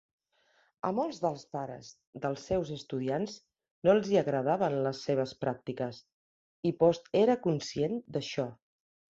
A molts dels pares dels seus estudiantes no els hi agradaven les seves pràctiques, i Post era conscient d"això.